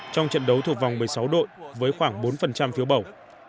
trong trận đấu thuộc vòng một mươi sáu đội với khoảng bốn phiếu bầu